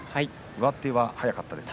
上手は速かったですか。